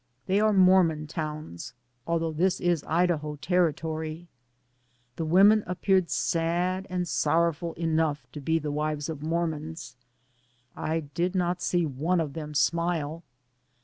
They are Mormon towns, although this is Idaho Ter ritory. The women appeared sad and sor rowful enough to be the wives of Mormons. I did not see one of them smile.